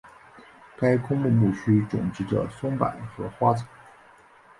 该公墓墓区种植着松柏和花草。